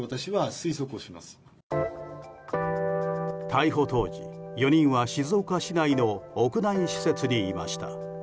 逮捕当時、４人は静岡市内の屋内施設にいました。